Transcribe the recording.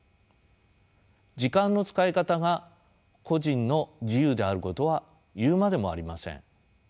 時間の使い方が個人の自由であることは言うまでもありません。